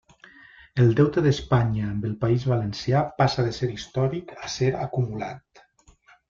El deute d'Espanya amb el País Valencià passa de ser històric a ser acumulat.